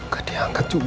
ketia akan disambung